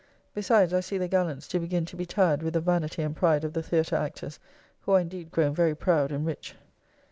Besides, I see the gallants do begin to be tyred with the vanity and pride of the theatre actors who are indeed grown very proud and rich.